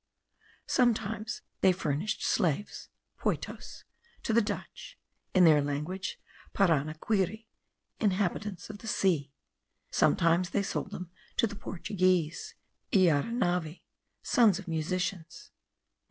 Sometimes they furnished slaves (poitos) to the Dutch (in their language, Paranaquiri inhabitants of the sea); sometimes they sold them to the Portuguese (Iaranavi sons of musicians).